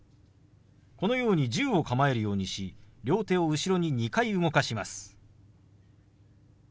このように銃を構えるようにし両手を後ろに２回動かします。